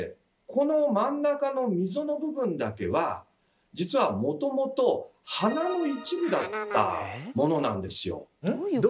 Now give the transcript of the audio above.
この真ん中の溝の部分だけは実はもともと鼻の一部だったものなんですよ。